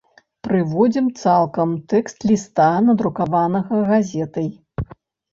Прыводзім цалкам тэкст ліста, надрукаванага газетай.